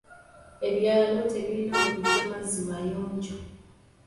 Ebyalo tebirina we bijja mazzi mayonjo.